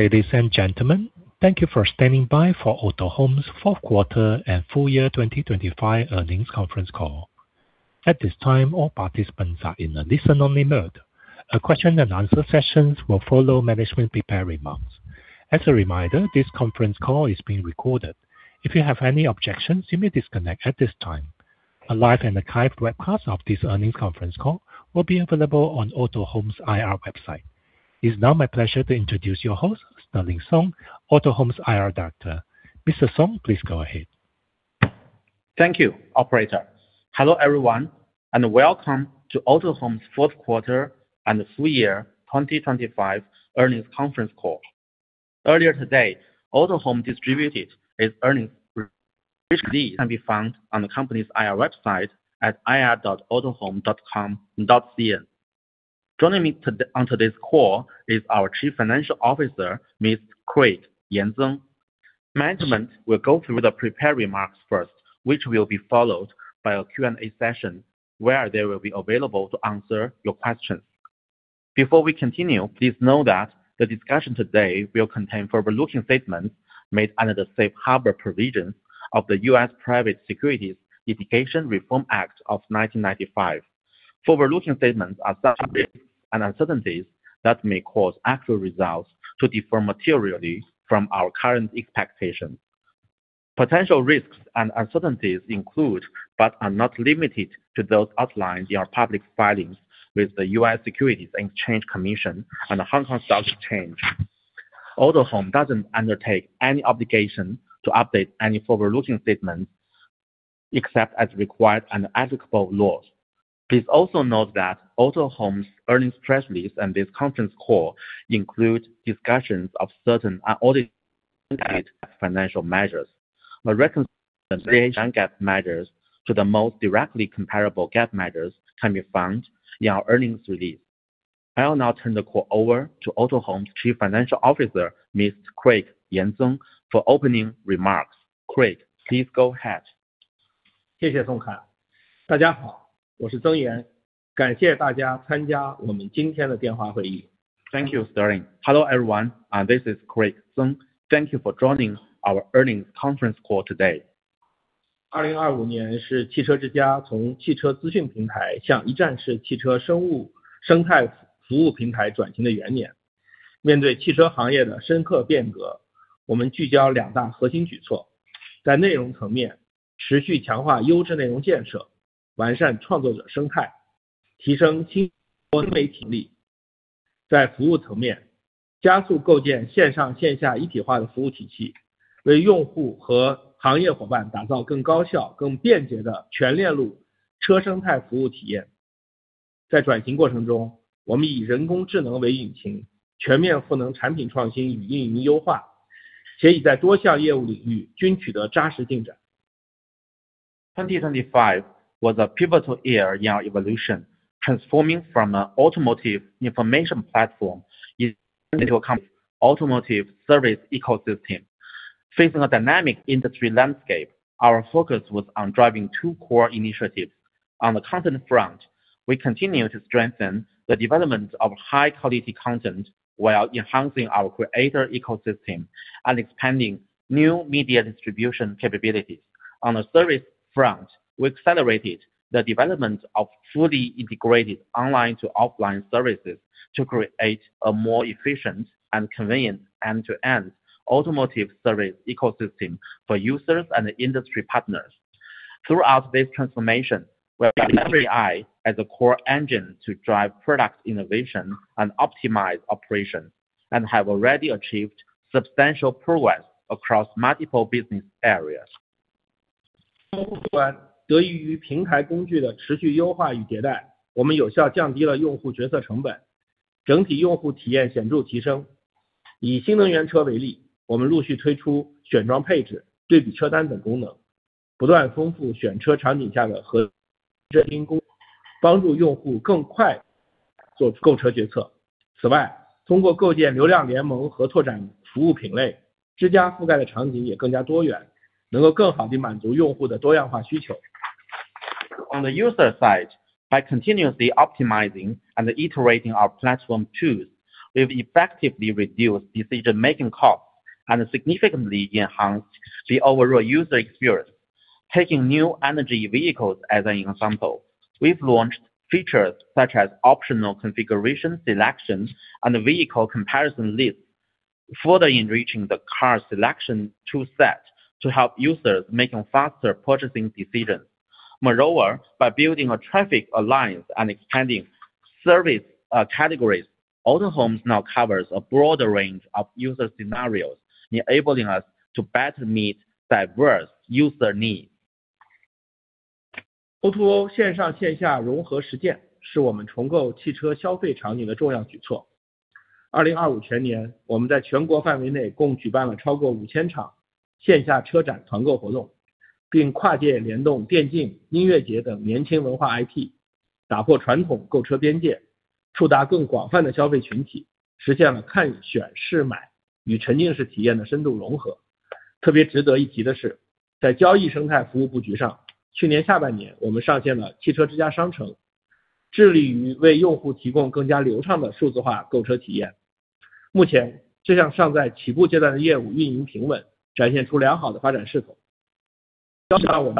Ladies and gentlemen, thank you for standing by for Autohome's Q4 and full year 2025 earnings conference call. At this time all participants are in a listen only mode. A question and answer sessions will follow management prepared remarks. A reminder, this conference call is being recorded. If you have any objections, you may disconnect at this time. A live and archive webcast of this earnings conference call will be available on Autohome's IR website. Is now my pleasure to introduce your host Sterling Song, Autohome's IR Director. Mr Song, please go ahead. Thank you, operator. Hello everyone, welcome to Autohome's Q4 and full year 2025 earnings conference call. Earlier today, Autohome distributed its earnings, which can be found on the company's IR website at ir.autohome.com.cn. Joining me on today's call is our Chief Financial Officer, Ms. CraigYan Zeng. Management will go through the prepared remarks first, which will be followed by a Q&A session where they will be available to answer your questions. Before we continue, please know that the discussion today will contain forward-looking statements made under the Safe Harbor provisions of the U.S. Private Securities Litigation Reform Act of 1995. Forward-looking statements are statements and uncertainties that may cause actual results to differ materially from our current expectations. Potential risks and uncertainties include, but are not limited to those outlined in our public filings with the U.S. Securities and Exchange Commission and the Hong Kong Stock Exchange. Autohome doesn't undertake any obligation to update any forward-looking statements except as required under applicable laws. Please also note that Autohome's earnings press release and this conference call include discussions of certain audited financial measures. A reconciliation of GAAP measures to the most directly comparable GAAP measures can be found in our earnings release. I will now turn the call over to Autohome Chief Financial Officer, Mr. Craig Yan Zeng for opening remarks. Craig, please go ahead. 谢谢 Song Khan。大家 好， 我是曾 岩， 感谢大家参加我们今天的电话会议。Thank you Sterling. Hello everyone, and this is Craig Zeng. Thank you for joining our earnings conference call today. 2025年是汽车之家从汽车资讯平台向一站式汽车生物生态服务平台转型的元年。面对汽车行业的深刻变 革， 我们聚焦两大核心举 措， 在内容层面持续强化优质内容建设，完善创作者生 态， 提升新媒体力。在服务层 面， 加速构建线上线下一体化的服务体 系， 为用户和行业伙伴打造更高效、更便捷的全链路车生态服务体验。在转型过程 中， 我们以人工智能为引 擎， 全面赋能产品创新与运营优 化， 且已在多项业务领域均取得扎实进展。2025 was a pivotal year in our evolution, transforming from an automotive information platform into a company automotive service ecosystem. Facing a dynamic industry landscape, our focus was on driving two core initiatives. On the content front, we continue to strengthen the development of high-quality content while enhancing our creator ecosystem and expanding new media distribution capabilities. On the service front, we accelerated the development of fully integrated online-to-offline services to create a more efficient and convenient end-to-end automotive service ecosystem for users and industry partners. Throughout this transformation, we have AI as a core engine to drive product innovation and optimize operations, and have already achieved substantial progress across multiple business areas. 用户端得益于平台工具的持续优化与迭 代， 我们有效降低了用户决策成 本， 整体用户体验显著提升。以新能源车为 例， 我们陆续推出选装配置、对比车单等功 能， 不断丰富选车场景下的和职能 工， 帮助用户更快做购车决策。此 外， 通过构建流量联盟和拓展服务品 类， 之家覆盖的场景也更加多 元， 能够更好地满足用户的多样化需求。On the user side, by continuously optimizing and iterating our platform tools, we've effectively reduced decision making costs and significantly enhanced the overall user experience. Taking new energy vehicles as an example, we've launched features such as optional configuration selections and vehicle comparison lists, further enriching the car selection tool set to help users making faster purchasing decisions. Moreover, by building a traffic alliance and expanding service categories, Autohome now covers a broader range of user scenarios, enabling us to better meet diverse user needs. O2O 线上线下融合实践是我们重构汽车消费场景的重要举措。2025 全 年， 我们在全国范围内共举办了超过五千场线下车展团购活 动， 并跨界联动电竞、音乐节等年轻文化 IP， 打破传统购车边 界， 触达更广泛的消费群 体， 实现了看、选、试、买与沉浸式体验的深度融合。特别值得一提的 是， 在交易生态服务布局 上， 去年下半年我们上线了汽车之家商城。致力于为用户提供更加流畅的数字化购车体验。目前这项尚在起步阶段的业务运营平 稳， 展现出良好的发展势头。让我板块新一年的发展前景更加充满信心。Our auto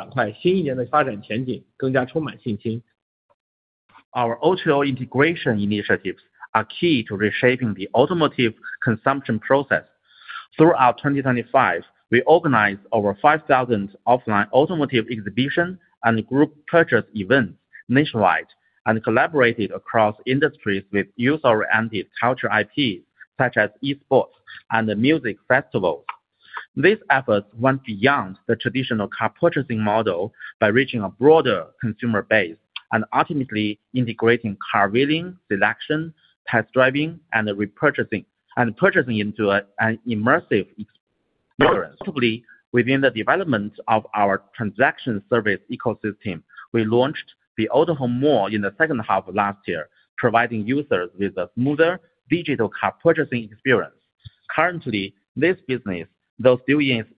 integration initiatives are key to reshaping the automotive consumption process. Throughout 2025, we organized over 5,000 offline automotive exhibition and group purchase events nationwide and collaborated across industries with user-oriented culture IP such as esports and music festival. These efforts went beyond the traditional car purchasing model by reaching a broader consumer base and ultimately integrating car-viewing, selection, test-driving and repurchasing and purchasing into an immersive experience. Specifically, within the development of our transaction service ecosystem, we launched the Autohome Mall in the second half of last year, providing users with a smoother digital car-purchasing experience. Currently, this business, though still in its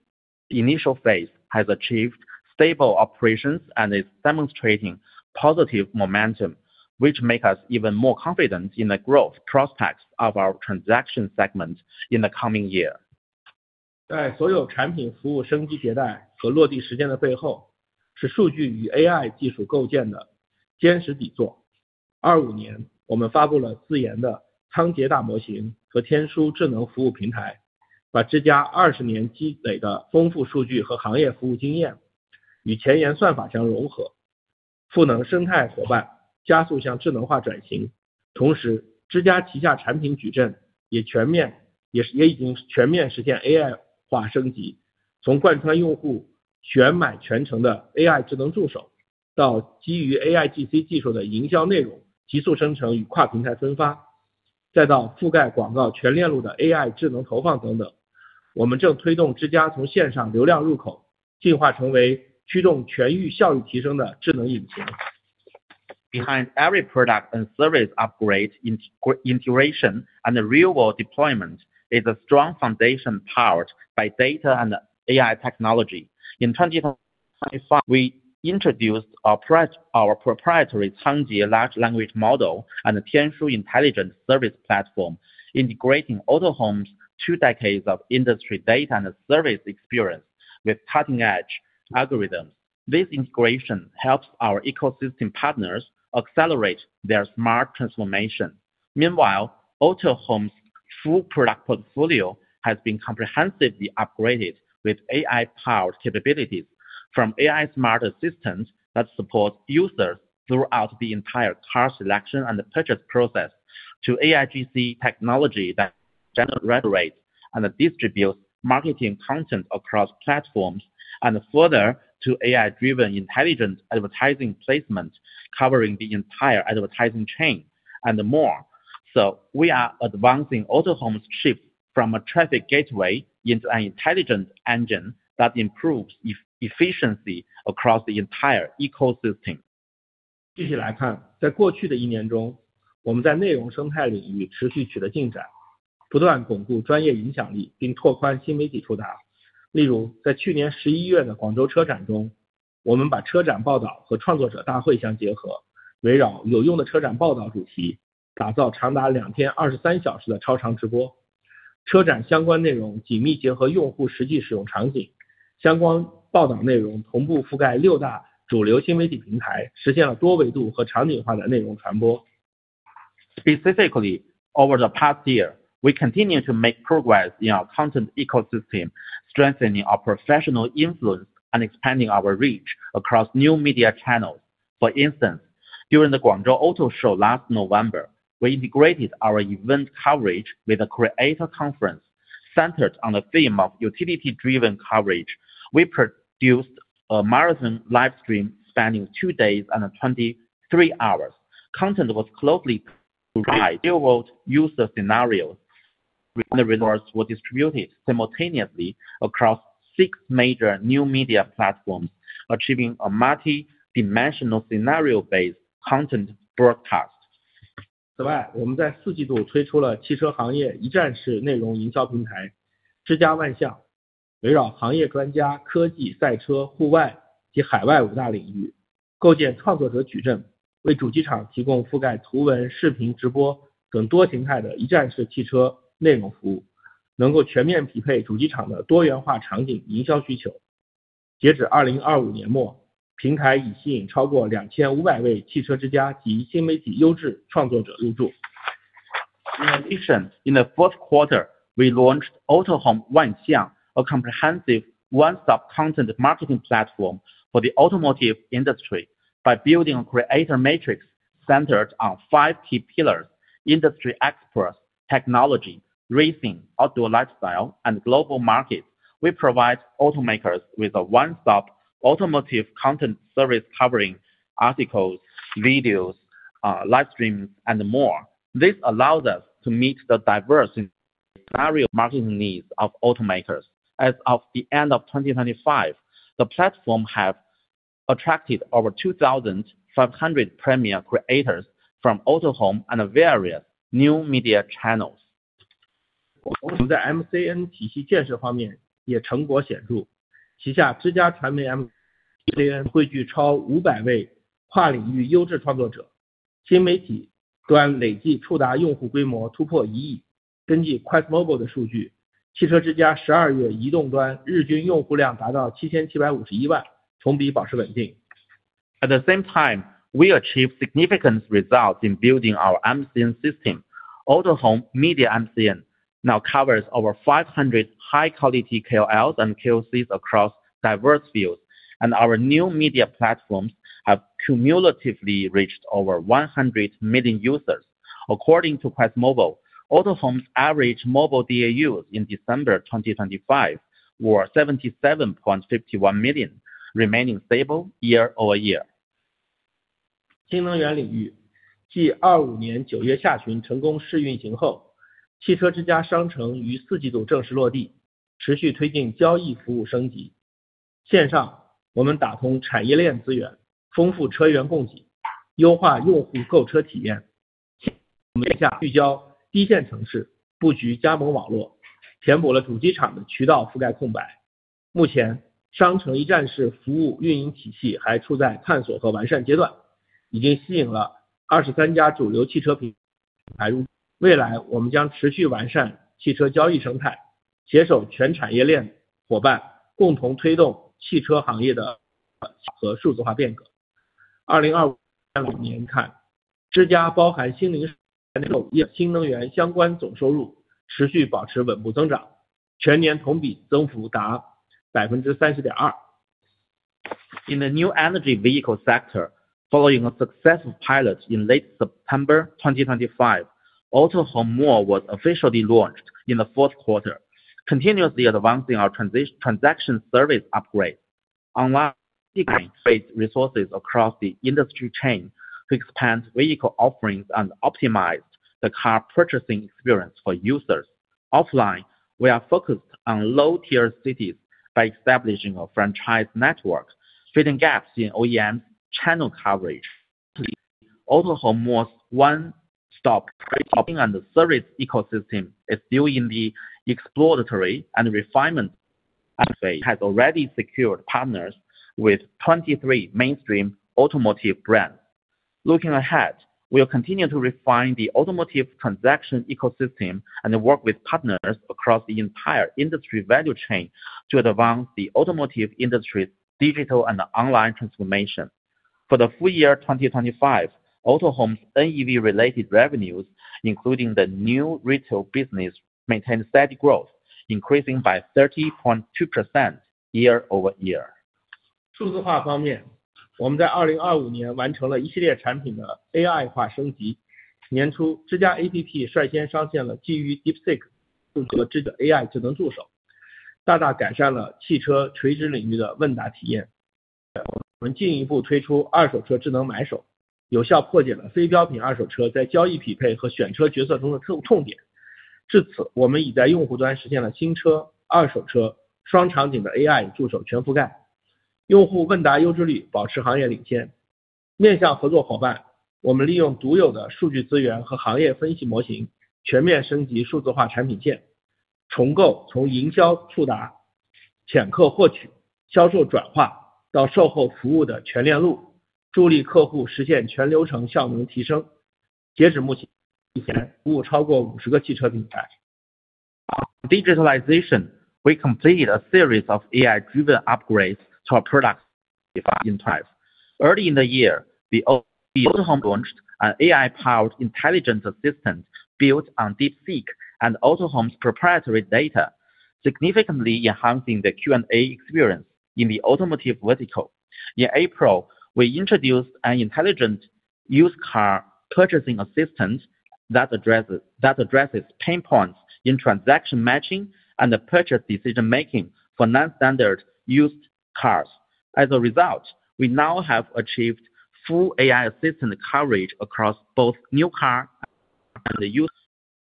initial phase, has achieved stable operations and is demonstrating positive momentum which make us even more confident in the growth prospects of our transaction segment in the coming year. 在所有产品服务升级迭代和落地实践的背 后， 是数据与 AI 技术构建的坚实底座。二五年我们发布了自研的仓颉大模型和天枢智能服务平 台， 把知家二十年积累的丰富数据和行业服务经验与前沿算法相融 合， 赋能生态伙伴加速向智能化转型。同 时， 知家旗下产品矩阵也全面也也已经全面实现 AI 化升 级， 从贯穿用户选买全程的 AI 智能助 手， 到基于 AIGC 技术的营销内容急速生成与跨平台分 发， 再到覆盖广告全链路的 AI 智能投放等等。我们正推动知家从线上流量入口进化成为驱动全域效率提升的智能引擎。Behind every product and service upgrade, integration and real-world deployment is a strong foundation powered by data and AI technology. In 2025, we introduced our proprietary Cangjie large language model and the Tianshu Intelligence Service Platform, integrating Autohome's two decades of industry data and service experience with cutting-edge algorithms. This integration helps our ecosystem partners accelerate their smart transformation. Meanwhile, Autohome's full product portfolio has been comprehensively upgraded with AI-powered capabilities from AI smart assistants that support users throughout the entire car selection and purchase process, to AIGC technology that generates and distributes marketing content across platforms, and further to AI-driven intelligent advertising placement covering the entire advertising chain and more. We are advancing Autohome's shift from a traffic gateway into an intelligent engine that improves efficiency across the entire ecosystem. 继续来 看， 在过去的一年 中， 我们在内容生态领域持续取得进 展， 不断巩固专业影响 力， 并拓宽新媒体触达。例 如， 在去年十一月的广州车展 中， 我们把车展报道和创作者大会相结 合， 围绕有用的车展报道主 题， 打造长达两天二十三小时的超长直播。车展相关内容紧密结合用户实际使用场 景， 相关报道内容同步覆盖六大主流新媒体平 台， 实现了多维度和场景化的内容传播。Specifically, over the past year, we continue to make progress in our content ecosystem, strengthening our professional influence and expanding our reach across new media channels. For instance, during the Guangzhou Auto Show last November, we integrated our event coverage with a creator conference centered on the theme of utility driven coverage. We produced a marathon live stream spanning two days and 23 hours. Content was closely tied to real world user scenarios, and the results were distributed simultaneously across six major new media platforms, achieving a multi-dimensional scenario based content broadcast. 此 外， 我们在四季度推出了汽车行业一站式内容营销平台知家万 象， 围绕行业专家、科技、赛车、户外及海外五大领 域， 构建创作者矩 阵， 为主机厂提供覆盖图文、视频、直播等多形态的一站式汽车内容服 务， 能够全面匹配主机厂的多元化场景营销需求。截止二零二五年 末， 平台已吸引超过两千五百位汽车之家及新媒体优质创作者入驻。In addition, in the Q4, we launched Autohome Wanxiang, a comprehensive one stop content marketing platform for the automotive industry by building a creator matrix centered on 5 key pillars industry experts, technology, racing, outdoor lifestyle, and global markets. We provide automakers with a one stop automotive content service covering articles, videos, live streams, and more. This allows us to meet the diverse and varied marketing needs of automakers. As of the end of 2025, the platform have attracted over 2,500 premium creators from Autohome and various new media channels. 我们在 MCN 体系建设方面也成果显著。旗下之家传媒 MCN 汇聚超五百位跨领域优质创作 者， 新媒体端累计触达用户规模突破一亿。根据 QuestMobile 的数 据， 汽车之家十二月移动端日均用户量达到七千七百五十一 万， 同比保持稳定。At the same time, we achieved significant results in building our MCN system. Autohome Media MCN now covers over 500 high quality KOLs and KOCs across diverse fields, and our new media platforms have cumulatively reached over 100 million users. According to QuestMobile, Autohome's average mobile DAU in December 2025 were 77.51 million, remaining stable year-over-year. 新能源领 域, 继2025年九月下旬成功试运行 后, Autohome Mall 于 Q4 正式落 地, 持续推进交易服务升 级. 线上我们打通产业链资 源, 丰富车源供 给, 优化用户购车体 验. 我们面向聚焦低线城 市, 布局加盟网 络, 填补了主机厂的渠道覆盖空 白. 目前商城一站式服务运营体系还处在探索和完善阶 段, 已经吸引了23家主流汽车品牌入 驻. 未来我们将持续完善汽车交易生 态, 携手全产业链伙 伴, 共同推动汽车行业的和数字化变 革. 2025年 看, Autohome 包含新零售业新能源相关总收入持续保持稳步增 长, 全年同比增幅达 30.2%. In the new energy vehicle sector, following a successful pilot in late September 2025, Autohome Mall was officially launched in the Q4, continuously advancing our transaction service upgrade, unlocking resources across the industry chain to expand vehicle offerings and optimize the car purchasing experience for users. Offline, we are focused on low-tier cities by establishing a franchise network, filling gaps in OEM channel coverage. Autohome Mall's one stop trading and service ecosystem is still in the exploratory and refinement phase, has already secured partners with 23 mainstream automotive brands. Looking ahead, we will continue to refine the automotive transaction ecosystem and work with partners across the entire industry value chain to advance the automotive industry's digital and online transformation. For the full year 2025, Autohome's NEV related revenues, including the new retail business, maintained steady growth, increasing by 30.2% year-over-year. 数字化方 面， 我们在二零二五年完成了一系列产品的 AI 化升级。年 初， 之家 APP 率先上线了基于 DeepSeek 数字知觉 AI 智能助 手， 大大改善了汽车垂直领域的问答体验。我们进一步推出二手车智能买手，有效破解了非标品二手车在交易匹配和选车决策中的痛点。至 此， 我们已在用户端实现了新车、二手车双场景的 AI 助手全覆 盖， 用户问答优质率保持行业领先。面向合作伙 伴， 我们利用独有的数据资源和行业分析模 型， 全面升级数字化产品 线， 从购--从营销触达、潜客获取、销售转化到售后服务的全链路，助力客户实现全流程效能提升。截止目 前， 已服务超过五十个汽车品牌。On digitalization, we completed a series of AI-driven upgrades to our products in 2025. Early in the year, Autohome launched an AI-powered intelligence assistant built on DeepSeek and Autohome's proprietary data, significantly enhancing the Q&A experience in the automotive vertical. In April, we introduced an intelligent used car purchasing assistant that addresses pain points in transaction matching and purchase decision making for non-standard used cars. As a result, we now have achieved full AI assistant coverage across both new car and used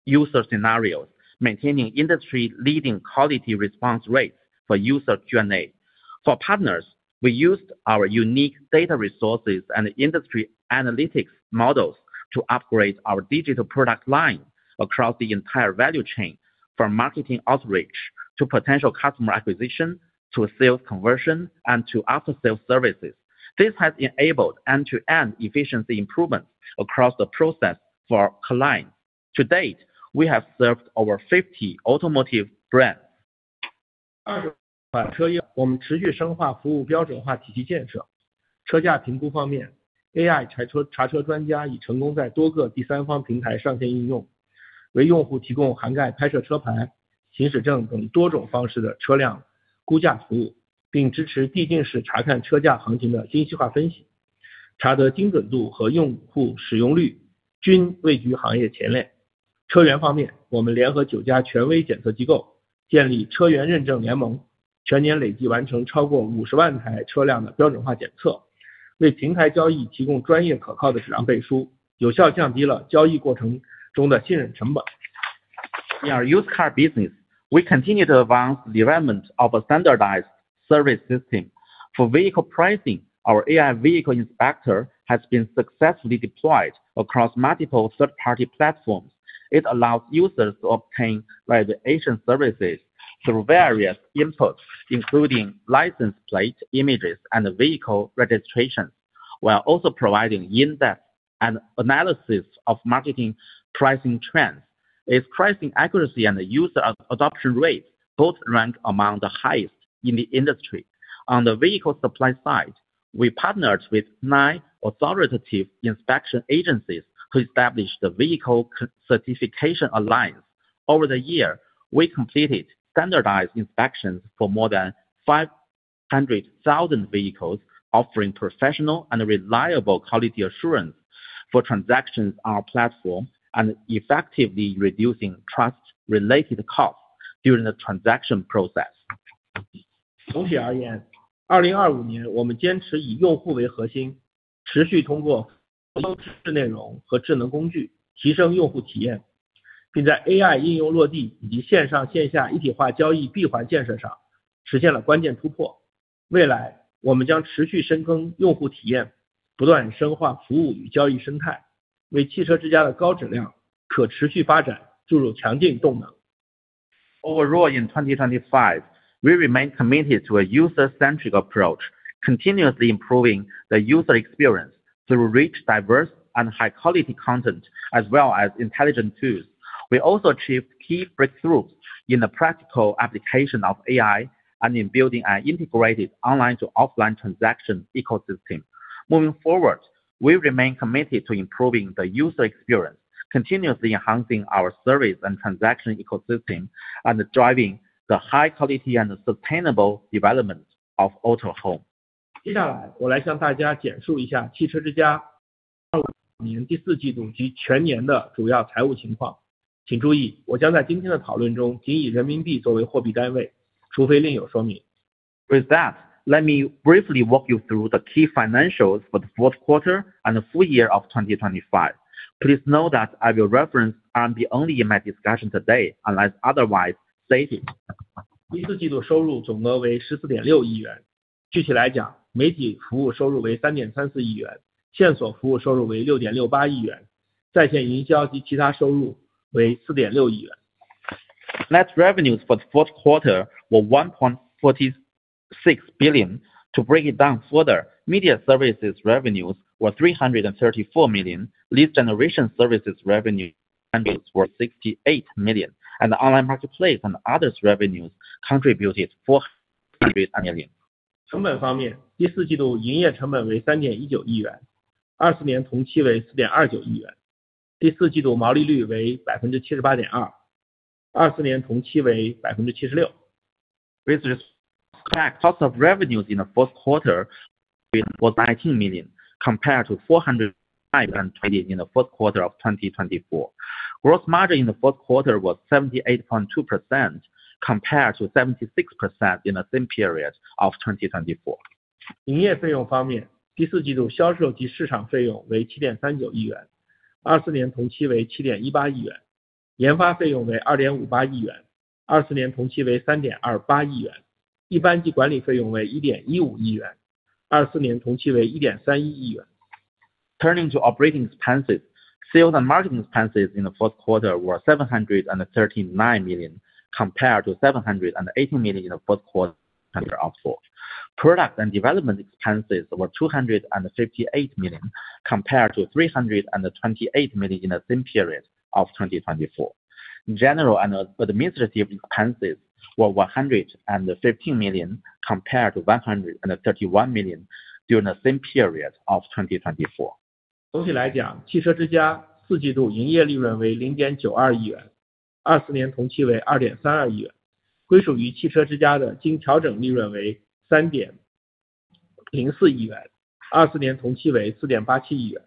user scenarios, maintaining industry-leading quality response rates for user Q&A. For partners, we used our unique data resources and industry analytics models to upgrade our digital product line across the entire value chain, from marketing outreach to potential customer acquisition, to sales conversion and to after-sales services. This has enabled end-to-end efficiency improvements across the process for clients. To date, we have served over 50 automotive brands. 二手车业务我们持续深化服务标准化体系建设。车价评估方面 ，AI 查 车， 查车专家已成功在多个第三方平台上线应 用， 为用户提供涵盖拍摄车牌、行驶证等多种方式的车辆估价服 务， 并支持地域市查看车价行情的精细化分析。查得精准度和用户使用率均位居行业前列。车源方 面， 我们联合九家权威检测机构建立车源认证联 盟， 全年累计完成超过五十万台车辆的标准化检 测， 为平台交易提供专业可靠的质量背 书， 有效降低了交易过程中的信任成本。In our used car business, we continue to advance the development of a standardized service system. For vehicle pricing, our AI Vehicle Inspector has been successfully deployed across multiple third-party platforms. It allows users to obtain registration services through various inputs, including license plate images and vehicle registration, while also providing in-depth and analysis of marketing pricing trends. Its pricing accuracy and user adoption rate both rank among the highest in the industry. On the vehicle supply side, we partnered with nine authoritative inspection agencies to establish the Vehicle Certification Alliance. Over the year, we completed standardized inspections for more than 500,000 vehicles, offering professional and reliable quality assurance for transactions on our platform and effectively reducing trust-related costs during the transaction process. 总体而言 ，2025 年我们坚持以用户为核 心， 持续通过优质内容和智能工具提升用户体验，并在 AI 应用落地以及线上线下一体化交易闭环建设上实现了关键突破。未 来， 我们将持续深耕用户体 验， 不断深化服务与交易生 态， 为汽车之家的高质量可持续发展注入强劲动能。Overall, in 2025, we remain committed to a user-centric approach, continuously improving the user experience through rich, diverse and high quality content as well as intelligent tools. We also achieved key breakthroughs in the practical application of AI and in building an integrated online to offline transaction ecosystem. Moving forward, we remain committed to improving the user experience, continuously enhancing our service and transaction ecosystem, and driving the high quality and sustainable development of Autohome. 接下 来， 我来向大家简述一下汽车之家2025年第四季度及全年的主要财务情况。请注 意， 我将在今天的讨论中仅以人民币作为货币单 位， 除非另有说明。With that, let me briefly walk you through the key financials for the Q4 and full year of 2025. Please note that I will reference RMB only in my discussion today unless otherwise stated. 第四季度收入总额为十四点六亿元。具体来 讲， 媒体服务收入为三点三四亿 元， 线索服务收入为六点六八亿 元， 在线营销及其他收入为四点六亿元。Net revenues for the Q4 were $1.46 billion. To break it down further, media services revenues were $334 million. Lead generation services revenues were $68 million. Online marketplace and others revenues contributed $408 million. 成本方 面， 第四季度营业成本为 CNY 319 million. 2024年同期为 CNY 429 million. 第四季度毛利率为 78.2%. 2024年同期为 76%. Cost of revenues in the Q4 was $518 million compared to $405 million in the Q4 of 2024. Gross margin in the Q4 was 78.2% compared to 76% in the same period of 2024. 营业费用方 面， 第四季度销售及市场费用为七点三九亿元 ，24 年同期为七点一八亿 元， 研发费用为二点五八亿元 ，24 年同期为三点二八亿 元， 一般及管理费用为一点一五亿元 ，24 年同期为一点三一亿元。Turning to operating expenses, sales and marketing expenses in the Q4 were 739 million compared to 718 million in the Q4 of 2024. Product and development expenses were 258 million compared to 328 million in the same period of 2024. General and administrative expenses were 115 million compared to 131 million during the same period of 2024. 总体来 讲， 汽车之家四季度营业利润为零点九二亿元 ，24 年同期为二点三二亿 元， 归属于汽车之家的经调整利润为三点零四亿元 ，24 年同期为四点八七亿元。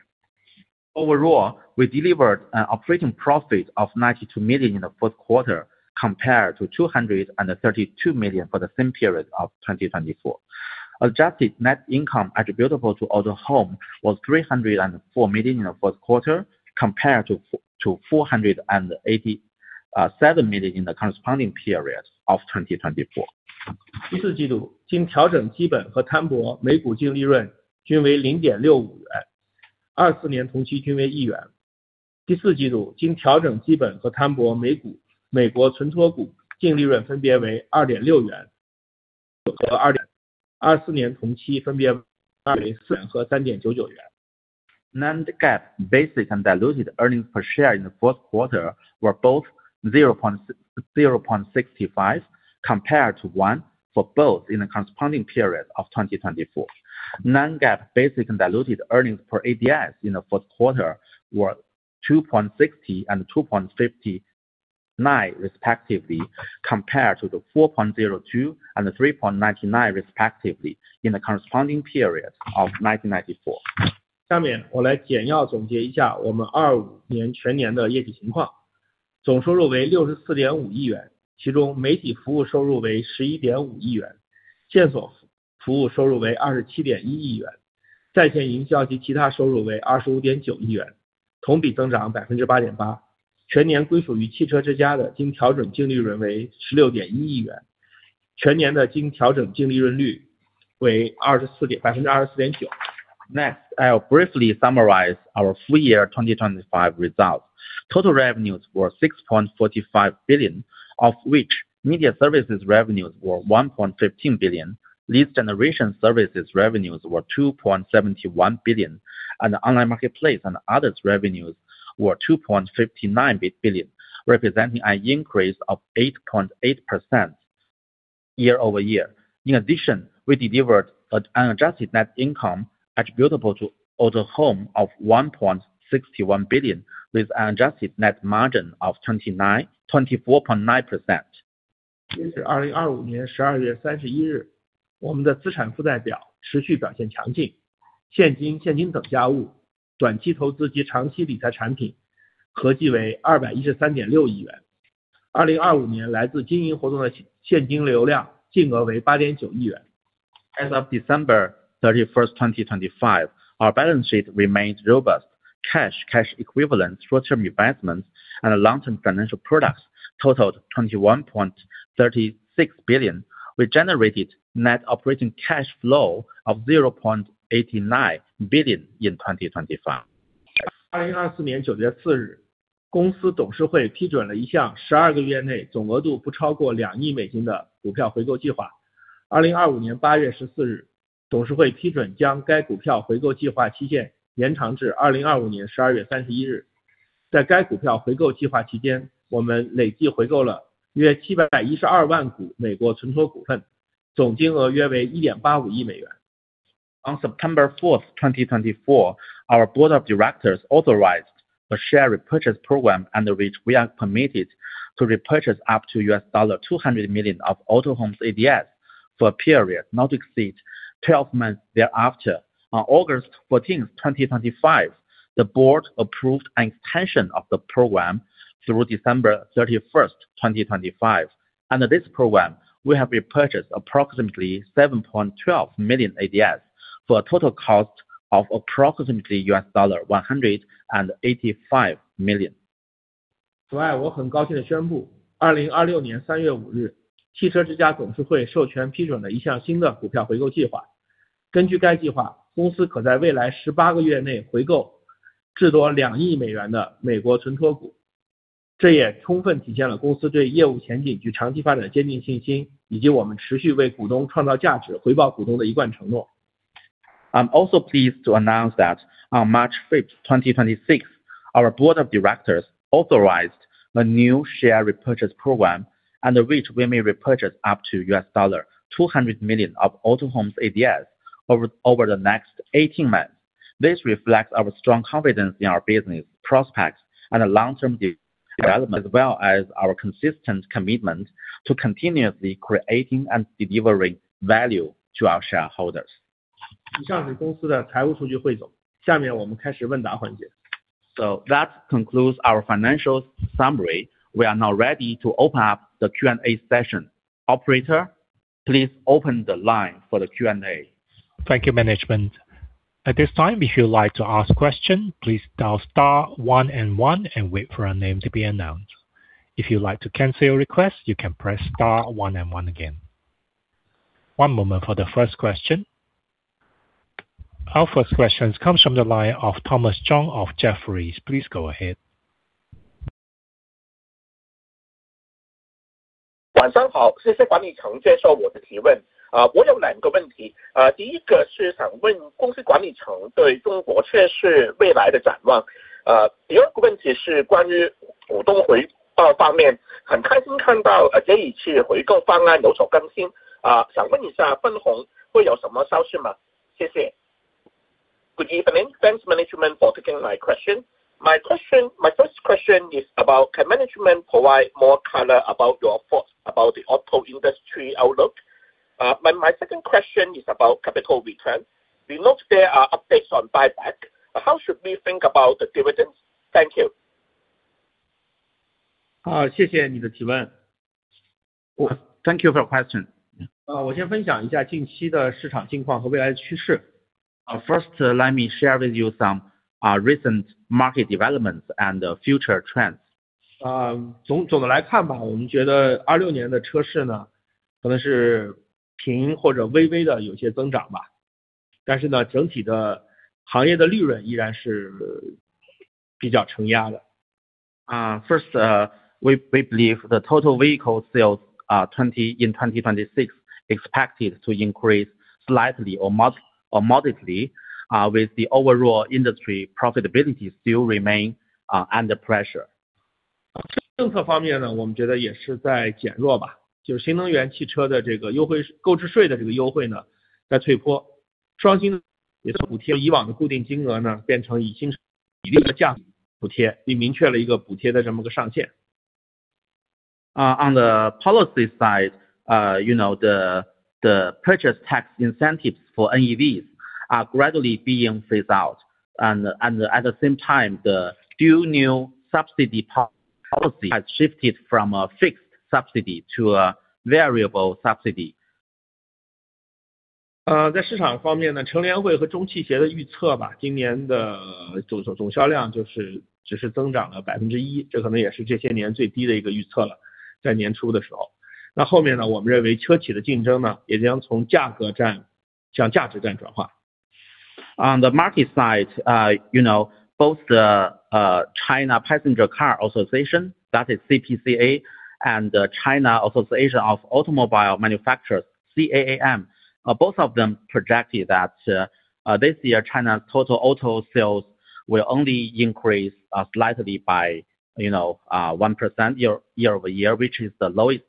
Overall, we delivered an operating profit of 92 million in the Q4 compared to 232 million for the same period of 2024. Adjusted net income attributable to Autohome was 304 million in the Q4 compared to 487 million in the corresponding period of 2024. 第四季度经调整基本和摊薄每股净利润均为零点六五元 ，24 年同期均为一元。第四季度经调整基本和摊薄每股美国存托股净利润分别为二点六元和二 点... 24年同期分别为四元和三点九九元。Non-GAAP basic and diluted earnings per share in the Q4 were both $0.65 compared to $1 for both in the corresponding period of 2024. Non-GAAP basic and diluted earnings per ADS in the Q4 were $2.60 and $2.59 respectively, compared to the $4.02 and $3.99 respectively in the corresponding period of 2024. 下面我来简要总结一下我们25年全年的业绩情况。总收入为六十四点五亿 元， 其中媒体服务收入为十一点五亿 元， 线索服务收入为二十七点一亿元。在线营销及其他收入为 2.59 billion CNY，同比增长 8.8%。全年归属于汽车之家的经调整净利润为 1.61 billion CNY，全年的经调整净利润率为 24.9%。Next, I'll briefly summarize our full year 2025 results. Total revenues were $6.45 billion of which media services revenues were $1.15 billion. Lead generation services revenues were $2.71 billion. Online marketplace and others revenues were $2.59 billion, representing an increase of 8.8% year-over-year. We delivered an adjusted net income attributable to Autohome of 1.61 billion with an adjusted net margin of 29, 24.9%. 截至 2025年12月31 日， 我们的资产负债表持续表现强 劲， 现金、现金等价物、短期投资及长期理财产品合计为 CNY 21.36 billion。2025年来自经营活动的现金流量净额为 CNY 0.89 billion。As of December 31st, 2025. Our balance sheet remains robust. Cash, cash equivalents, short-term investments and long-term financial products totaled 21.36 billion. We generated net operating cash flow of $0.89 billion in 2025. 二零二四年九月四 日， 公司董事会批准了一项12个月内总额度不超过 $200 million 的股票回购计划。二零二五年八月十四 日， 董事会批准将该股票回购计划期限延长至二零二五年十二月三十一日。在该股票回购计划期 间， 我们累计回购了约 7.12 million ADS， 总金额约为 $185 million. On September fourth, 2024 our board of directors authorized a share repurchase program under which we are permitted to repurchase up to $200 million of Autohome's ADS for a period not to exceed 12 months thereafter. On August 14th, 2025, the board approved an extension of the program through December 31st, 2025. Under this program, we have repurchased approximately 7.12 million ADS for a total cost of approximately $185 million。此 外， 我很高兴地宣 布， 二零二六年三月五 日， 汽车之家董事会授权批准了一项新的股票回购计划。根据该计 划， 公司可在未来十八个月内回购至多两亿美元的美国存托股。这也充分体现了公司对业务前景及长期发展的坚定信 心， 以及我们持续为股东创造价值、回报股东的一贯承诺。I'm also pleased to announce that on March 5, 2026 our board of directors authorized a new share repurchase program under which we may repurchase up to $200 million of Autohome's ADS over the next 18 months. This reflects our strong confidence in our business prospects and long-term de-development as well as our consistent commitment to continuously creating and delivering value to our shareholders。以上是公司的财务数据汇总。下面我们开始问答环节。That concludes our financial summary. We are now ready to open up the Q&A session. Operator, please open the line for the Q&A. Thank you management. At this time, if you'd like to ask question, please dial star one and one and wait for your name to be announced. If you'd like to cancel your request, you can press star one and one again. One moment for the first question. Our first question comes from the line of Thomas Chong of Jefferies. Please go ahead. 晚上 好， 谢谢管理层接受我的提问。我有2个问 题， 第1个是想问公司管理层对中国车市未来的展望。第2个问题是关于股东回报方 面， 很开心看 到， 这一次回购方案有所更 新， 想问一下分红会有什么消息 吗？ 谢谢。Good evening. Thanks management for taking my question. My first question is about can management provide more color about your thoughts about the auto industry outlook? My second question is about capital return. We note there are updates on buyback. How should we think about the dividends? Thank you. 谢谢你的提问。Thank you for your question. 我先分享一下近期的市场近况和未来趋势。First, let me share with you some recent market developments and future trends. 总的来看 吧， 我们觉得2026年的车市 呢， 可能是平或者微微的有些增长吧。整体的行业的利润依然是比较承压的。first, we believe the total vehicle sales in 2026 expected to increase slightly or modestly, with the overall industry profitability still remain under pressure. 政策方面 呢， 我们觉得也是在减弱 吧， 就是新能源汽车的这个优 惠， 购置税的这个优惠 呢， 在退 坡， 双积分的补贴以往的固定金额 呢， 变成以新一定的价值补 贴， 也明确了一个补贴的这么个上限。On the policy side, you know, the purchase tax incentives for NEVs are gradually being phased out. At the same time, the few new subsidy policy has shifted from a fixed subsidy to a variable subsidy. 在市场方面 呢, CPCA 和 CAAM 的预测 吧, 今年的总销量就是只是增长了 1%, 这可能也是这些年最低的一个预测 了. 在年初的时 候, 后面 呢, 我们认为车企的竞争 呢, 也将从价格战向价值战转 化. On the market side, you know, both the China Passenger Car Association, that is CPCA, and China Association of Automobile Manufacturers, CAAM, both of them projected that this year China's total auto sales will only increase slightly by, you know, 1% year-over-year, which is the lowest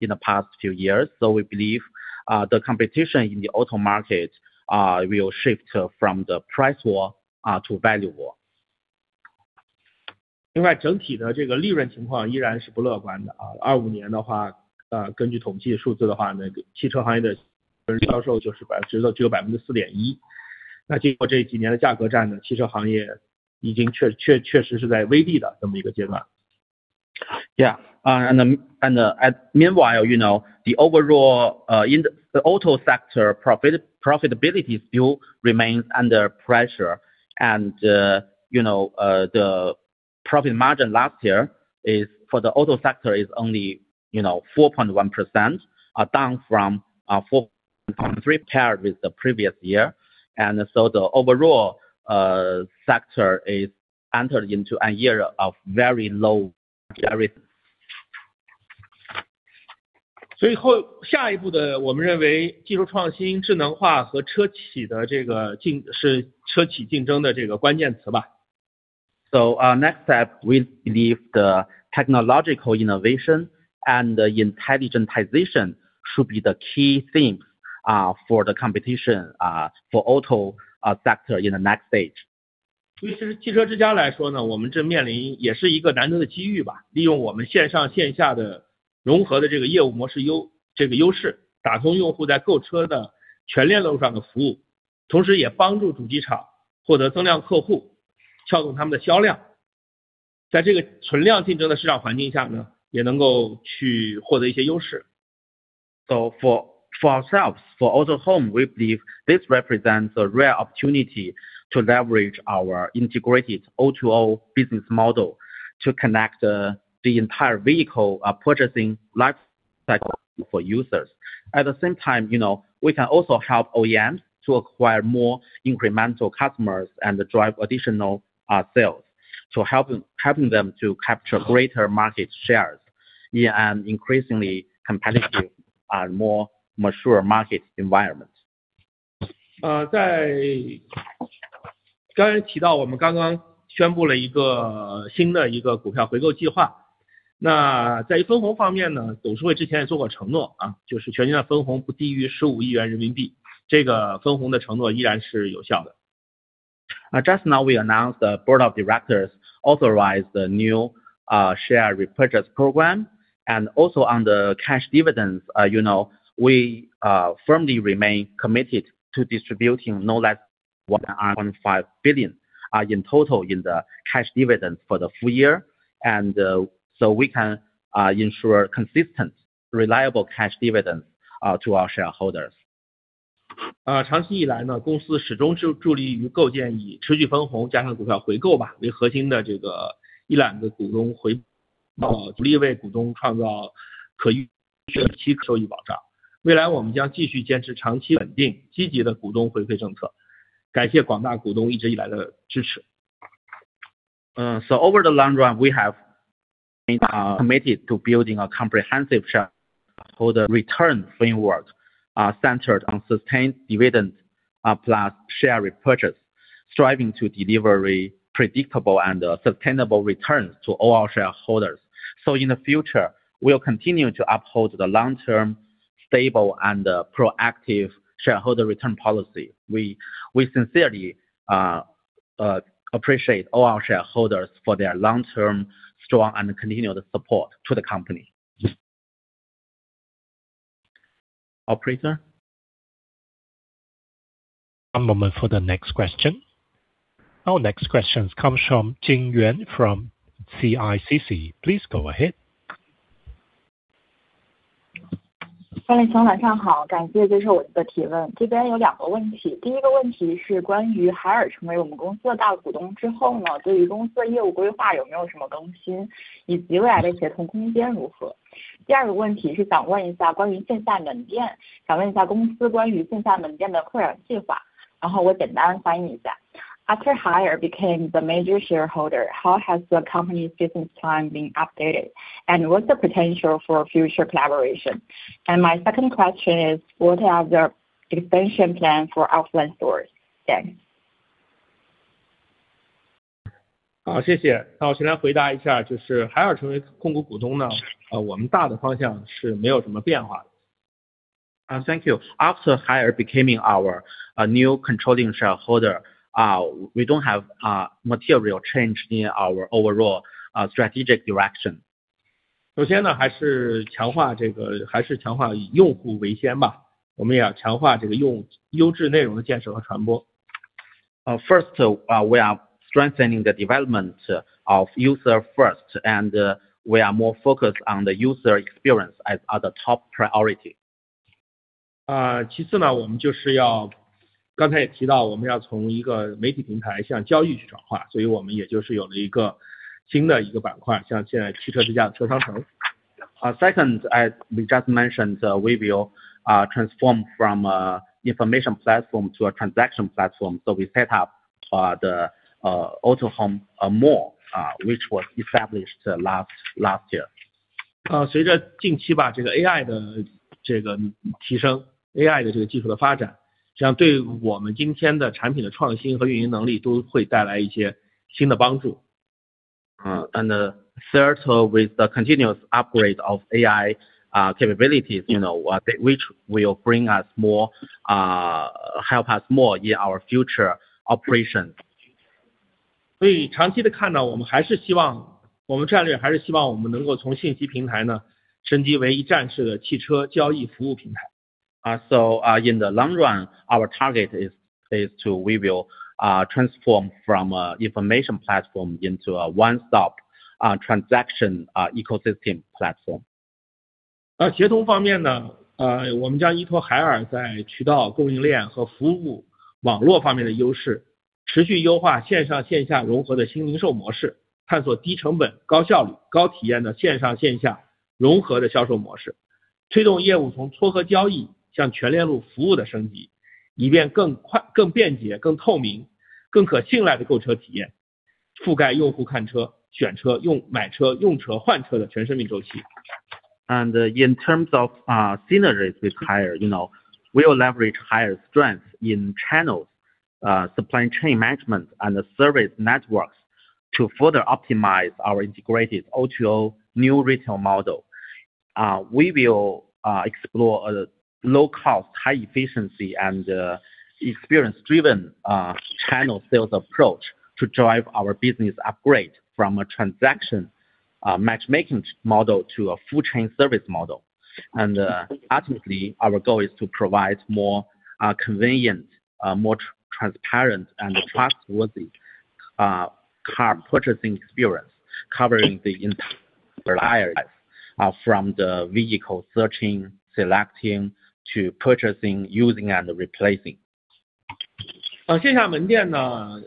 in the past few years. We believe the competition in the auto market will shift from the price war to value war. 另外整体的这个利润情况依然是不乐观的。2025年 的 话， 根据统计的数字的 话， 那个汽车行业的销售就是只有 4.1%。经过这几年的价格战 呢， 汽车行业已经确实是在危地的这么一个阶段。Yeah. Meanwhile, you know, the overall, in the auto sector, profitability still remains under pressure. You know, the profit margin last year is for the auto sector is only, you know, 4.1%, down from 4.3% compared with the previous year. The overall sector is entered into a year of very low profit. 下一步的我们认为技术创 新, 智能化是车企竞争的这个关键词 吧. Next step, we believe the technological innovation and the intelligentization should be the key things for the competition for auto sector in the next stage. 对于汽车之家来说 呢, 我们正面临也是一个难得的机遇 吧. 利用我们线上线下的融合的这个业务模式 优势, 打通用户在购车的全链路上的 服务, 同时也帮助主机厂获得增量 客户, 撬动他们的 销量. 在这个存量竞争的市场环境下 呢, 也能够去获得一些 优势. For, for ourselves, for Autohome, we believe this represents a rare opportunity to leverage our integrated O2O business model to connect the entire vehicle purchasing life cycle for users. At the same time, you know, we can also help OEMs to acquire more incremental customers and drive additional sales helping them to capture greater market shares in an increasingly competitive and more mature market environment. 在刚刚提到我们刚刚宣布了一个新的一个股票回购计 划， 在分红方面 呢， 董事会之前也做过承 诺， 就是全年的分红不低于 CNY 1.5 billion， 这个分红的承诺依然是有效的。Just now we announced the board of directors authorized the new share repurchase program. On the cash dividends, you know, we firmly remain committed to distributing no less than $1.5 billion in total in the cash dividends for the full year. We can ensure consistent, reliable cash dividends to our shareholders. 啊长期以来 呢， 公司始终注-致力于构建以持续分红加上股票回购吧为核心的这个一揽子的股东 回， 啊， 努力为股东创造可预期收益保障。未来我们将继续坚持长期稳定积极的股东回馈政 策， 感谢广大股东一直以来的支持。Over the long run, we have committed to building a comprehensive shareholder return framework, centered on sustained dividends, plus share repurchase, striving to deliver a predictable and sustainable return to all our shareholders. In the future, we will continue to uphold the long-term, stable, and proactive shareholder return policy. We sincerely appreciate all our shareholders for their long-term, strong, and continued support to the company. Operator. One moment for the next question. Our next question comes from Jingyuan Yu from CICC. Please go ahead. 欢迎请问晚上 好， 感谢接受我的提问。这边有两个问 题， 第一个问题是关于海尔成为我们公司的大股东之后 呢， 对于公司业务规划有没有什么更 新， 以及未来的协同空间如 何？ 第二个问题是想问一下关于线下门 店， 想问一下公司关于线下门店的扩展计划。然后我简单翻译一下。After Haier became the major shareholder, how has the company's business plan been updated? What's the potential for future collaboration? My second question is, what are the expansion plan for offline stores? Thank you. 好， 谢谢。那我现在回答一 下， 就是海尔成为控股股东 呢， 呃我们大的方向是没有什么变化的。Thank you. After Haier becoming our new controlling shareholder, we don't have material change in our overall strategic direction. 首先呢还是强化以用户为先 吧， 我们要强化优质内容的建设和传播 First, we are strengthening the development of user first and we are more focused on the user experience as our top priority. 啊， 其次 呢， 我们就是要刚才也提到我们要从一个媒体平台向交易去转 化， 所以我们也就是有了一个新的一个板 块， 像现在汽车之家车商城。Second, as we just mentioned, we will transform from a information platform to a transaction platform. We set up the Autohome Mall, which was established last year. 啊， 随着近期把这个 AI 的这个提升 ，AI 的这个技术的发展，这样对我们今天的产品的创新和运营能力都会带来一些新的帮助。Third, with the continuous upgrade of AI capabilities, you know, which will bring us more, help us more in our future operations. 长期地看 呢， 还是希望我们能够从信息平台呢升级为一站式的汽车交易服务平台。In the long run, our target is to we will transform from a information platform into a one-stop transaction ecosystem platform. 啊， 协同方面 呢， 呃， 我们将依托海尔在渠道、供应链和服务网络方面的优 势， 持续优化线上线下融合的新零售模 式， 探索低成本、高效率、高体验的线上线下融合的销售模 式， 推动业务从撮合交易向全链路服务的升 级， 以便更快、更便捷、更透明、更可信赖的购车体 验， 覆盖用户看车、选车、用--买车、用车、换车的全生命周期。In terms of synergies with Haier, you know, we will leverage Haier's strength in channel, supply chain management and service networks to further optimize our integrated O2O new retail model. We will explore a low cost, high efficiency and experience-driven channel sales approach to drive our business upgrade from a transaction matchmaking model to a full chain service model. Ultimately, our goal is to provide more convenient, more transparent and trustworthy car purchasing experience covering the entire life from the vehicle searching, selecting to purchasing, using and replacing. 线下门店 呢，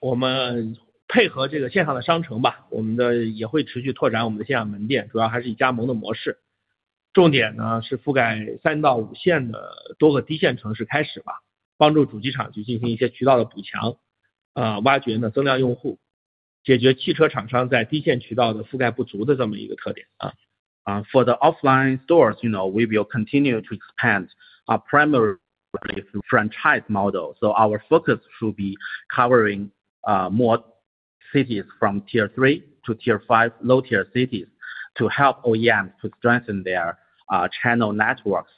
我们配合这个线上的商城 吧， 我们的也会持续拓展我们的线下门 店， 主要还是以加盟的模式。重点呢是覆盖3到5线的多个低线城市开始 吧， 帮助主机厂去进行一些渠道的补 强， 挖掘呢增量用 户， 解决汽车厂商在低线渠道的覆盖不足的这么一个特点。For the offline stores, you know, we will continue to expand our primary franchise model. Our focus will be covering more cities from tier 3 to tier 5 low tier cities to help OEMs to strengthen their channel networks,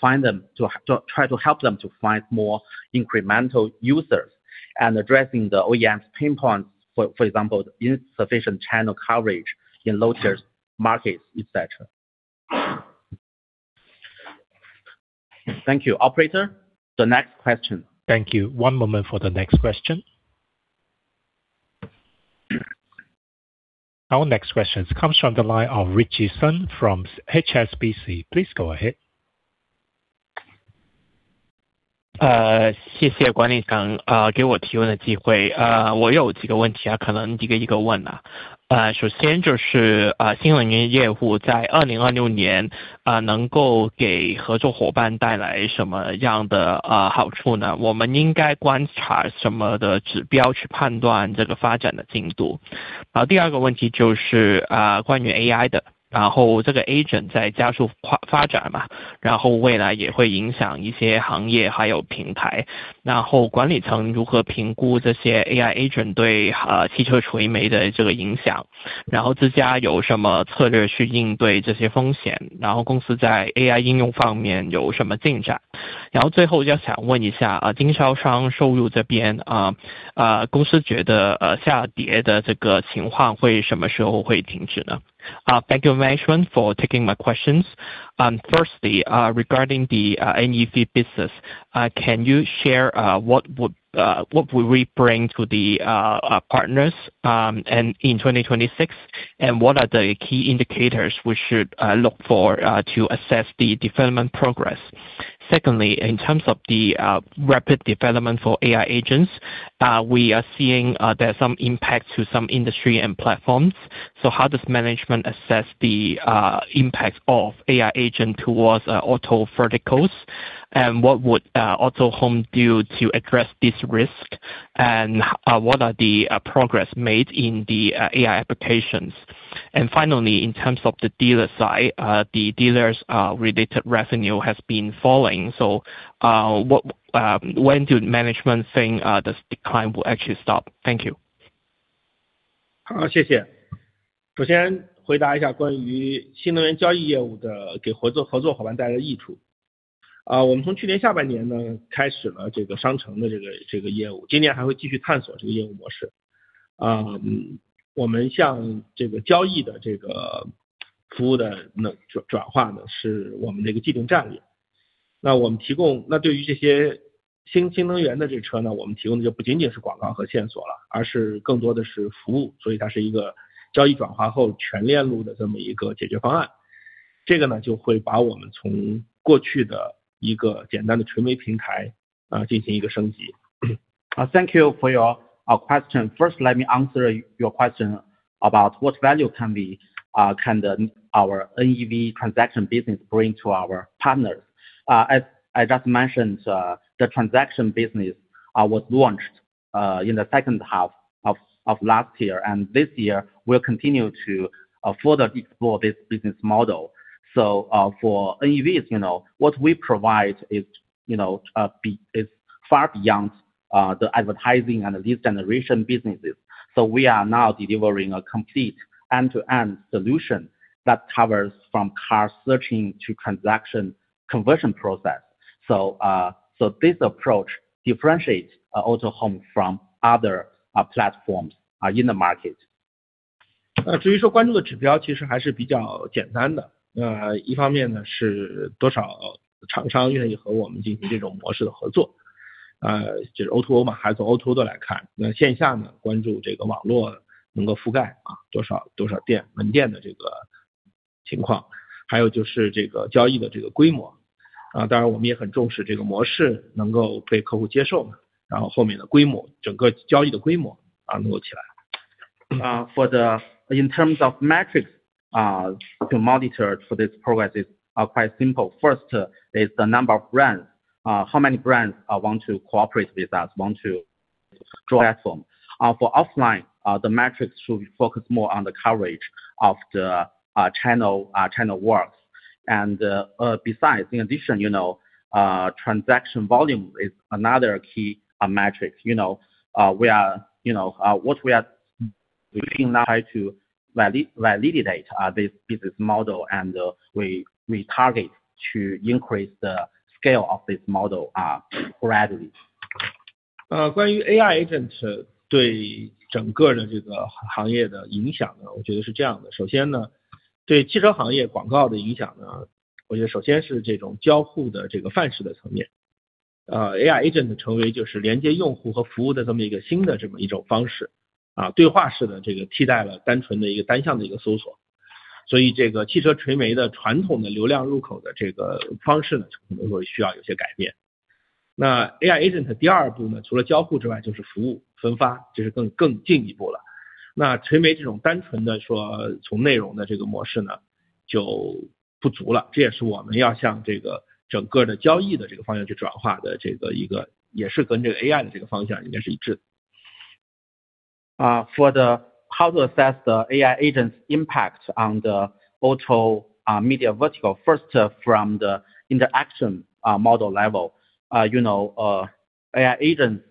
find them to try to help them to find more incremental users and addressing the OEM pinpoint, for example, insufficient channel coverage in low tier markets, et cetera. Thank you. Operator. The next question. Thank you. One moment for the next question. Our next question comes from the line of Ritchie Sun from HSBC. Please go ahead. 呃， 谢谢管理 层， 呃， 给我提问的机会。呃， 我有几个问题 啊， 可能一个一个问啊。呃， 首先就 是， 呃， 新能源业务在2026 年， 呃， 能够给合作伙伴带来什么样 的， 呃， 好处 呢？ 我们应该观察什么的指标去判断这个发展的进度。好， 第二个问题就 是， 呃， 关于 AI 的，然后这个 agent 在加速 发， 发展 吧， 然后未来也会影响一些行 业， 还有平 台， 然后管理层如何评估这些 AIG 对， 呃， 汽车垂直领域的这个影 响， 然后自家有什么策略去应对这些风 险， 然后公司在 AI 应用方面有什么进展。然后最后我就想问一 下， 呃， 经销商收入这 边， 啊， 呃， 公司觉 得， 呃， 下跌的这个情况会什么时候会停止呢？ Thank you management for taking my questions. Firstly, regarding the NEV business, can you share what would what will we bring to the partners in 2026? What are the key indicators we should look for to assess the development progress? Secondly, in terms of the rapid development for AI agents, we are seeing there are some impacts to some industry and platforms. How does management assess the impact of AI agent towards auto verticals? What would Autohome do to address this risk? What are the progress made in the AI applications? Finally, in terms of the dealer side, the dealers' related revenue has been falling. What when do management think this decline will actually stop? Thank you. 好， 谢谢。首先回答一下关于新能源交易业务的给合 作， 合作伙伴带来的益处。啊， 我们从去年下半年呢开始了这个商城的这 个， 这个业 务， 今年还会继续探索这个业务模式。啊 嗯， 我们向这个交易的这个服务的那转-转化的是我们这个既定战略。那我们提 供， 那对于这些新-新能源的这个车 呢， 我们提供的就不仅仅是广告和线索 了， 而是更多的是服务。所以它是一个交易转化后全链路的这么一个解决方案。这个 呢， 就会把我们从过去的一个简单的传媒平台啊进行一个升级。Thank you for your question. First, let me answer your question about what value our NEV transaction business can bring to our partners. As I just mentioned, the transaction business was launched in the second half of last year. This year, we will continue to further explore this business model. For NEVs, you know, what we provide is far beyond the advertising and lead generation businesses. We are now delivering a complete end-to-end solution that covers from car searching to transaction conversion process. This approach differentiates Autohome from other platforms in the market. 呃， 至于说关注的指 标， 其实还是比较简单的。呃， 一方面 呢， 是多少厂商愿意和我们进行这种模式的合 作， 啊， 就是 O2O 吧， 还是从 O2O 的来看。那线下 呢， 关注这个网络能够覆盖啊多 少， 多少 店， 门店的这个情 况， 还有就是这个交易的这个规模。啊当然我们也很重视这个模式能够被客户接 受， 然后后面的规 模， 整个交易的规模啊能够起来。For the in terms of metrics to monitor for this progress is quite simple. First is the number of brands, how many brands want to cooperate with us, want to platform. For offline, the metrics should be focused more on the coverage of the channel works. Besides, in addition, you know, transaction volume is another key metrics. You know, we are, you know, what we are to validate this business model and we target to increase the scale of this model gradually. 关于 AI agent 对整个的这个行业的 影响, 我觉得是这样 的. 首先, 对汽车行业广告的 影响, 我觉得首先是这种交互的这个范式的 层面. AI agent 成为就是连接用户和服务的这么一个新的这么一种 方式. 对话式的这个替代了单纯的一个单向的一个 搜索. 这个汽车垂媒的传统的流量入口的这个 方式, 就可能会需要有些 改变. AI agent 第二 步, 除了交互 之外, 就是服务 分发, 这是更进一步 了. 垂媒这种单纯的说从内容的这个 模式, 就不足 了. 这也是我们要向这个整个的交易的这个方向去转化的这个 一个, 也是跟这个 AI 的这个方向应该是一致 的. For the how to assess the AI agent's impact on the auto media vertical. First, from the interaction model level, you know, AI agent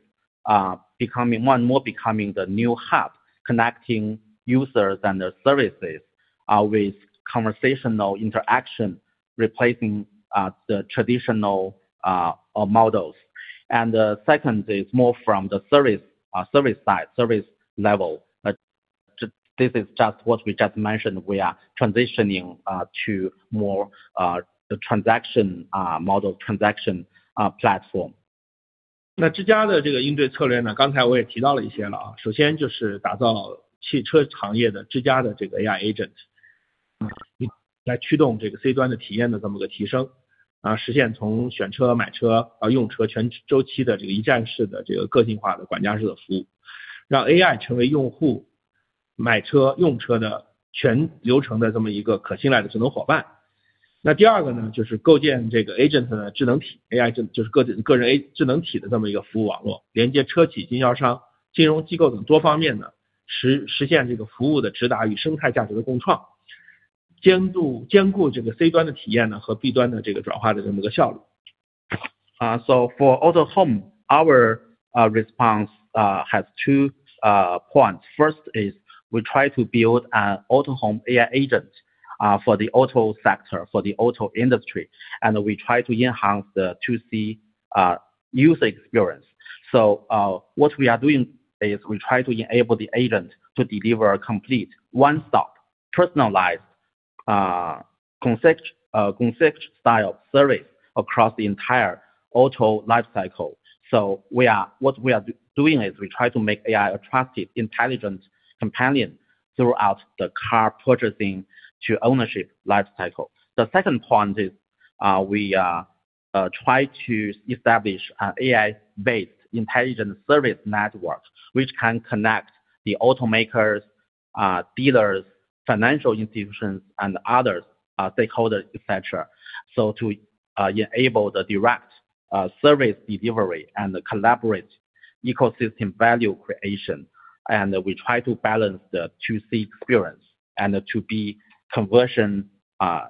becoming more and more the new hub connecting users and the services with conversational interaction replacing the traditional models. Second is more from the service side, service level, this is just what we just mentioned, we are transitioning to more the transaction model transaction platform. 自家的这个应对策略 呢， 刚才我也提到了一些 了， 首先就是打造汽车行业的自家的这个 AI agent， 来驱动这个 C 端的体验的这么一个提 升， 实现从选车、买车到用车全周期的这个一站式的这个个性化的管家式的服务，让 AI 成为用户买车用车的全流程的这么一个可信赖的智能伙伴。第二个 呢， 就是构建这个 agent 的智能体 ，AI 就是各自个人 A 智能体的这么一个服务网 络， 连接车企、经销商、金融机构等多方面 呢， 实现这个服务的直达与生态价值的共 创， 兼顾这个 C 端的体验呢和 B 端的这个转化的这么一个效率。For Autohome, our response has two points. First is we try to build an Autohome AI agent for the auto sector, for the auto industry, and we try to enhance the 2C user experience. What we are doing is we try to enable the agent to deliver a complete one stop personalized concept style service across the entire auto life cycle. We are what we are doing is we try to make AI a trusted, intelligent companion throughout the car purchasing to ownership life cycle. The second point is we are try to establish an AI based intelligent service network which can connect the automakers, dealers, financial institutions and others, stakeholders, etc. To enable the direct service delivery and collaborate ecosystem value creation. We try to balance the 2C experience and to be conversion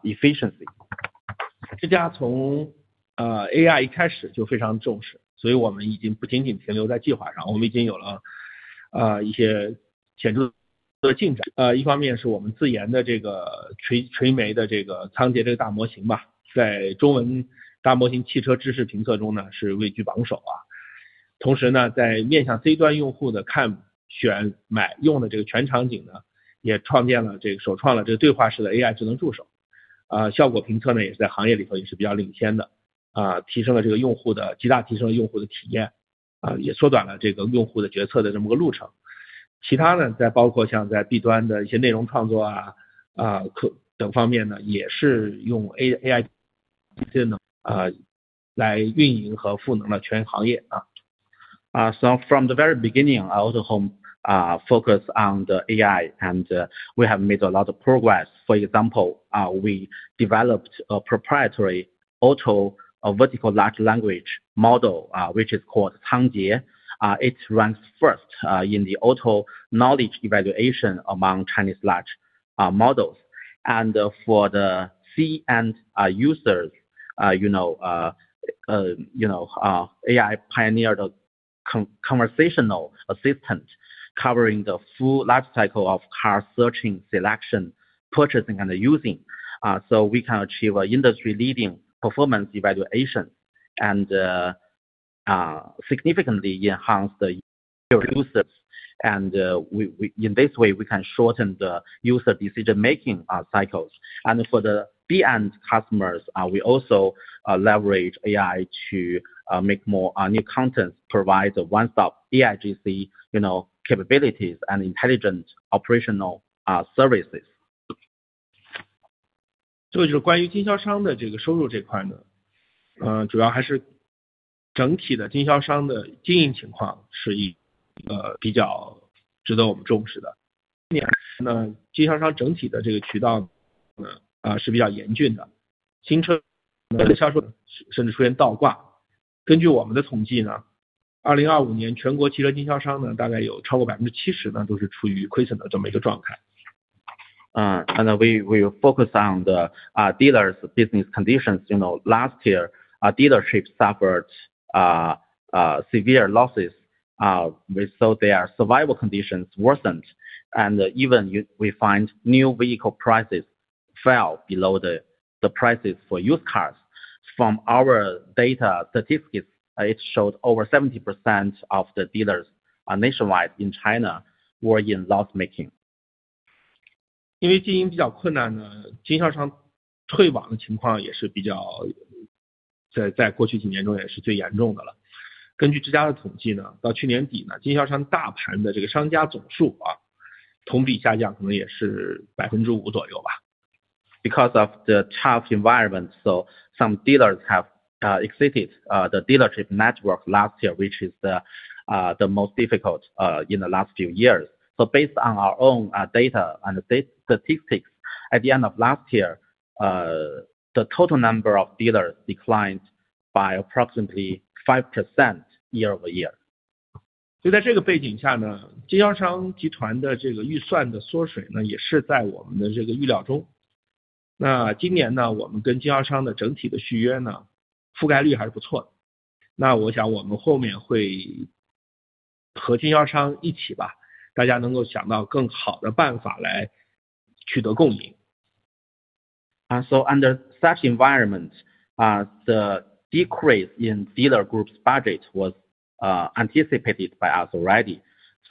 efficiency. 这家从 AI 一开始就非常重 视. 我们已经不仅仅停留在计划 上, 我们已经有了一些浅度 的. 的进 展， 一方面是我们自研的这个垂媒的这个 仓颉大模型， 在中文大模型汽车知识评测中 呢， 是位居榜首。同 时， 在面向 C 端用户的看、选、买、用的这个全场 景， 也首创了这个对话式的 AI 智能助 手， 效果评测也在行业里头也是比较领先的。提升了这个用户的极大提升用户的体 验， 也缩短了这个用户的决策的这么个路程。其 他， 再包括像在 B 端的一些内容创 作， KOC 等方 面， 也是用 AI 智能来运营和赋能了全行业。So from the very beginning of Autohome focus on the AI and we have made a lot of progress for example we developed a proprietary auto a vertical large language model which is called Cangjie. It ranks first in the auto knowledge evaluation among Chinese large models and for the C-end users AI pioneered the conversational assistant covering the full life cycle of car searching, selection, purchasing and using so we can achieve a industry leading performance evaluation and significantly enhance the user's and we in this way we can shorten the user decision-making cycles. For the B-end customers we also leverage AI to make more new content provide the one-stop AIGC capabilities and intelligent operational services. 这就是关于经销商的这个收入这 块， 主要还是整体的经销商的经营情况是一个比较值得我们重视的。去 年， 经销商整体的这个渠道是比较严峻 的， 新车的销售甚至出现倒挂。根据我们的统 计， 2025年全国汽车经销 商， 大概有超过 70% 都是处于亏损的这么一个状态。And we focus on the dealers business conditions last year dealership suffered a severe losses with so their survival conditions worsened and even we find new vehicle prices fell below the prices for used cars. From our data statistics it showed over 70% of the dealers nationwide in China were in loss making. 因为经营比较困 难， 经销商退网的情况在过去几年中也是最严重的了。根据 Autohome 的统 计， 到去年 底， 经销商大盘的这个商家总 数， 同比下降可能也是 5% 左右。Because of the car environment some dealers have exited the dealership network last year, which is the most difficult in the last few years. Based on our own data and statistics at the end of last year, the total number of dealers declined by approximately 5% year-over-year. 在这个背景 下， 经销商集团的这个预算的缩 水， 也是在我们的这个预料中。今 年， 我们跟经销商的整体的续 约， 覆盖率还是不错的。我想我们后面会和经销商一 起， 大家能够想到更好的办法来取得共赢。Under such environment, the decrease in dealer groups budget was anticipated by us already.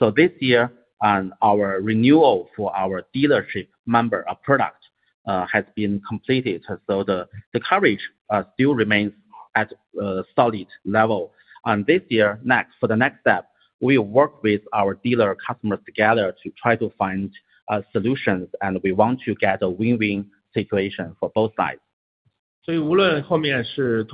This year and our renewal for our dealership member of product has been completed. The coverage still remains at a solid level and this year next for the next step we work with our dealer customers together to try to find a solution and we want to get a win-win situation for both sides. 无论后面是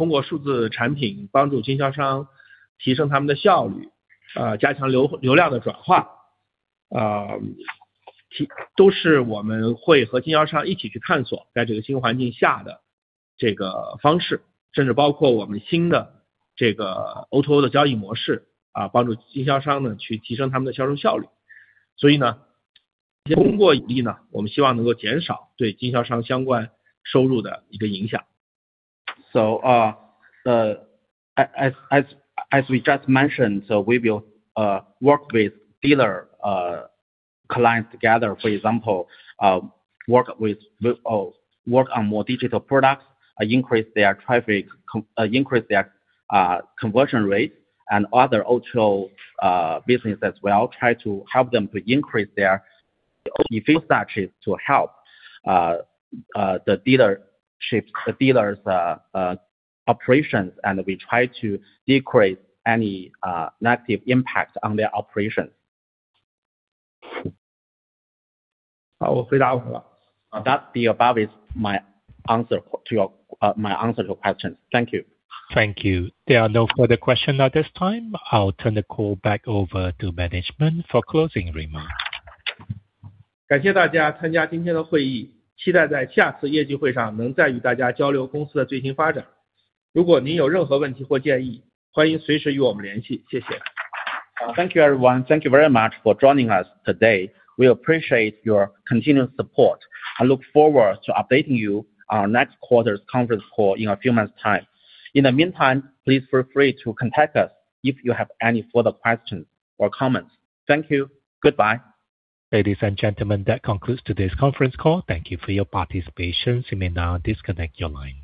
通过数字产品帮助经销商提升他们的效 率， 加强流量的转 化， 都是我们会和经销商一起去探索在这个新环境下的这个方 式， 甚至包括我们新的这个 O2O 的交易模 式， 帮助经销商去提升他们的销售效率。通过异 地， 我们希望能够减少对经销商相关收入的一个影响。The as we just mention we will work with dealer clients together for example work on more digital products increase their traffic increase their conversion rate and other auto business as well try to help them to increase their the dealers' operations and we try to decrease any negative impact on their operations. 我回答完了。That the above is my answer to your question, thank you. Thank you. There are no further questions at this time. I'll turn the call back over to management for closing remarks. 感谢大家参加今天的会 议， 期待在下次业绩会上能再与大家交流公司的最新发展。如果您有任何问题或建 议， 欢迎随时与我们联系。谢谢。Thank you everyone thank you very much for joining us today. We appreciate your continuous support and look forward to updating you on next quarter's conference call in a few months time. In the meantime, please feel free to contact us if you have any further questions or comments. Thank you. Goodbye. Ladies and gentlemen, that concludes today's conference call. Thank you for your participation. You may now disconnect your line.